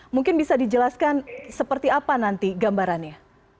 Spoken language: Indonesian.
mungkin bisa dijelaskan seperti apa nanti gambarannya